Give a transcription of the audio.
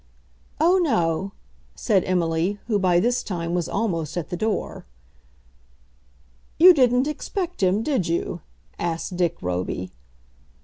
"Oh, no," said Emily, who by this time was almost at the door. "You didn't expect him, did you?" asked Dick Roby.